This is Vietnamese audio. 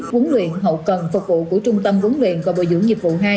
huấn luyện hậu cần phục vụ của trung tâm huấn luyện và bồi dưỡng nghiệp vụ hai